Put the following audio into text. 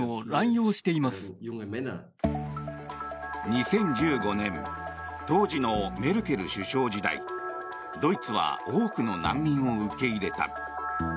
２０１５年当時のメルケル首相時代ドイツは多くの難民を受け入れた。